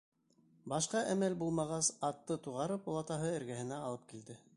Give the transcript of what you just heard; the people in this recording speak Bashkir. Башҡа әмәл булмағас, атты туғарып олатаһы эргәһенә алып килде.